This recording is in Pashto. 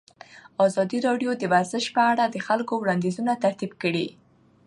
ازادي راډیو د ورزش په اړه د خلکو وړاندیزونه ترتیب کړي.